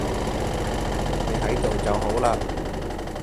你喺度就好喇